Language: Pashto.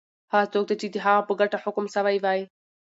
هغه څوک دی چی د هغه په ګټه حکم سوی وی؟